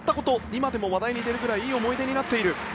今でも話題に出るくらいいい思い出になっている。